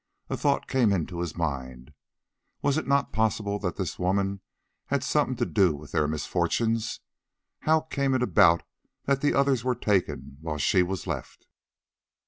A thought came into his mind. "Was it not possible that this woman had something to do with their misfortunes? How came it about that the others were taken while she was left?"